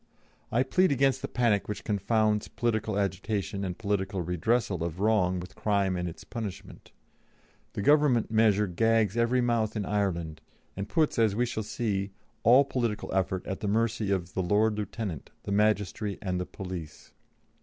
I plead against the panic which confounds political agitation and political redressal of wrong with crime and its punishment; the Government measure gags every mouth in Ireland, and puts, as we shall see, all political effort at the mercy of the Lord Lieutenant, the magistracy, and the police."